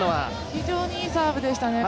非常にいいサーブでしたね。